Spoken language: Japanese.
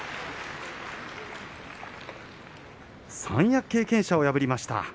三役経験者を破りました。